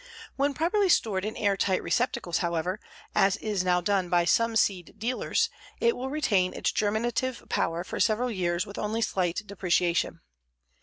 When properly stored in air tight receptacles, however, as is now done by some seed dealers, it will retain its germinative power for several years with only slight depreciation.